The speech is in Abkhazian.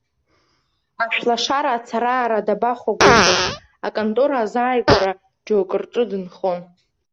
Ашәлашара ацара-аара дабахәагәышьоз, аконтора азааигәара џьоукы рҿы дынхон.